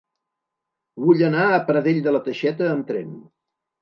Vull anar a Pradell de la Teixeta amb tren.